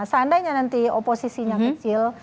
seandainya nanti oposisinya kecil